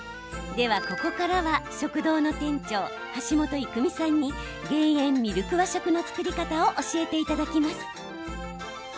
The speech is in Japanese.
では、ここからは食堂の店長、橋本育美さんに減塩ミルク和食の作り方を教えていただきます。